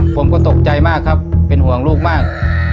ผมก็ตกใจมากครับเป็นห่วงลูกมาก